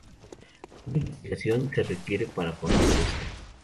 Una investigación se requiere para conocer esto.